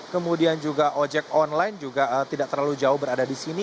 kemudian juga ojek online juga tidak terlalu jauh berada di sini